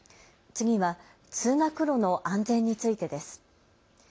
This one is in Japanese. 次は通学路の安全についてです。